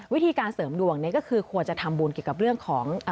วิธีการเสริมดวงนี้ก็คือควรจะทำบุญเกี่ยวกับเรื่องของ